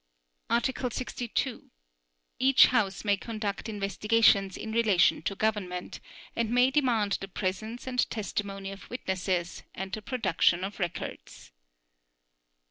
Article 62. Each House may conduct investigations in relation to government, and may demand the presence and testimony of witnesses, and the production of records.